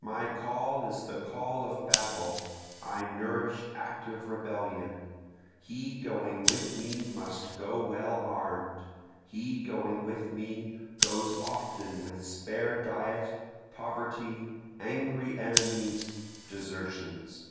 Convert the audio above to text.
My call is the call of battle, I nourish active rebellion, He going with me must go well arm'd, He going with me goes often with spare diet, poverty, angry enemies, desertions.